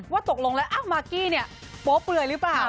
ตกลงแล้วมากกี้เนี่ยโป๊เปลือยหรือเปล่า